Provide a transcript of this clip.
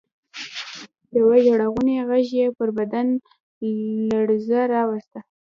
يوه ژړغوني غږ يې پر بدن لړزه راوسته.